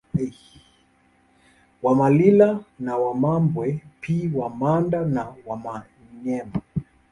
Wamalila na Wamambwe pi Wamanda na Wamanyema